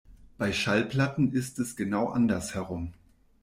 Bei Schallplatten ist es genau andersherum.